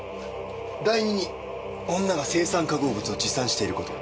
第二に女が青酸化合物を持参していること。